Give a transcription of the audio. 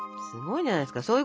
すごいじゃないですか。